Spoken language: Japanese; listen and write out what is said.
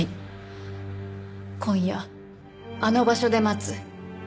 「今夜あの場所で待つ」